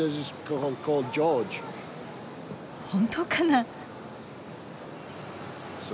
本当かな？